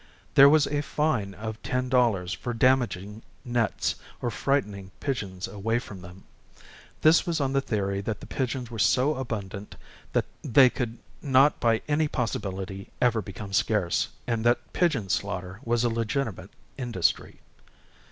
There was a fine of $10 for damaging nets, or frightening pigeons away from them. This was on the theory that the pigeons were so abundant they could not by any possibility ever become scarce, and that pigeon slaughter was a legitimate industry.